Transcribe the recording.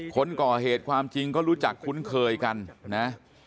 คนก่อเหตุความจริงก็รู้จักคุ้นเคยกันนะ